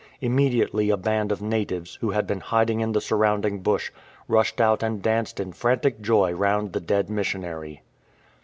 Immedi ately a band of natives, who had been hiding in the surrounding bush, rushed out and danced in frantic joy round the dead missionary.